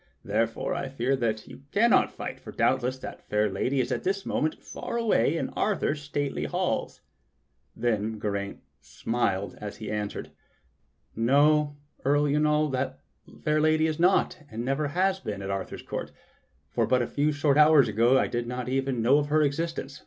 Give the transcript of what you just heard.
Therefore I fear you cannot fight, for doubtless that fair lady is at this moment far away in Arthur's stately halls." Then Geraint smiled as he answered: "No,. Earl Yniol, that fair lady is not, and never has been, at Arthur's court; for but a few short hours ago I did not even know of her existence.